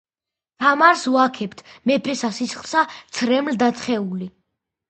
თამარს ვაქებდეთ მეფესა სისხლისა ცრემლ-დათხეული